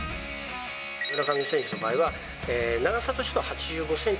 村上選手の場合は、長さとしては８５センチ。